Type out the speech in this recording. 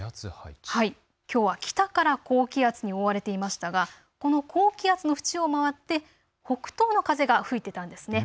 きょうは北から高気圧に覆われていましたがこの高気圧の縁を回って北東の風が吹いていたんですね。